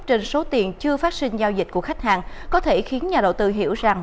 trên số tiền chưa phát sinh giao dịch của khách hàng có thể khiến nhà đầu tư hiểu rằng